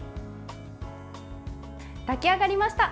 炊き上がりました。